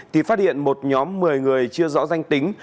thì phát hiện một nhóm một mươi người chưa rõ danh tính